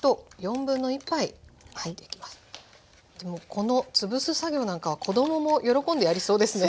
この潰す作業なんかは子供も喜んでやりそうですね。